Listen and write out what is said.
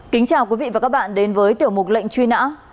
kính chào quý vị và các bạn đến với tiểu mục lệnh truy nã